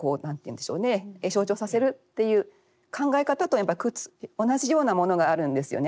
象徴させるっていう考え方とやっぱり同じようなものがあるんですよね。